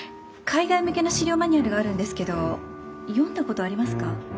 海外向けの資料マニュアルがあるんですけど読んだことありますか？